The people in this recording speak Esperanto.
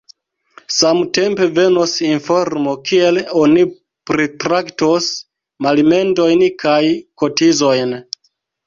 Samtempe venos informo, kiel oni pritraktos malmendojn kaj kotizojn.